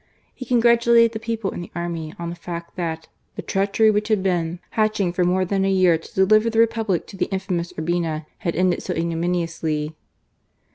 He congratulated the people and the army on the fact that " the treachery which had been hatching for more than a year to deliver the Republic to the infamous Urbina had ended so ignominiously."